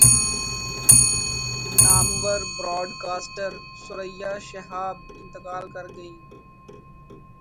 نامور براڈکاسٹر ثریا شہاب انتقال گرگئیں